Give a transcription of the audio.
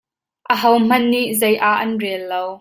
Aho hmanh nih zei ah an rel lo.